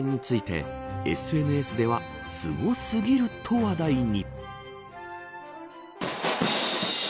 この応援についてＳＮＳではすごすぎると話題に。